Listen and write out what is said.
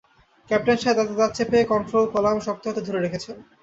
Captain সাহেব দাঁতে দাঁত চেপে কন্ট্রোল কলাম শক্ত হাতে ধরে রেখেছেন।